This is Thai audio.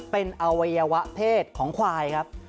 เป็นอวัยวะเพศของควายครับ